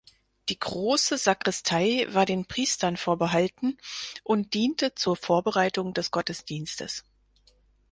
Die große Sakristei war den Priestern vorbehalten und diente zur Vorbereitung des Gottesdienstes.